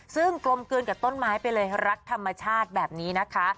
ซึ่งกลมกลืนกับต้นไม้ไปเลยรักธรรมชาติแบบนี้นะคะ